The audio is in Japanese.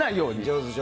上手。